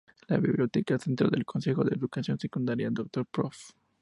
La biblioteca central del Consejo de Educación Secundaria "Dr. Prof.